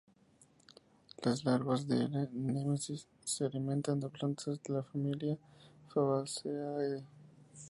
Las larvas de "L. nemesis" se alimentan de plantas de la familia "Fabaceae".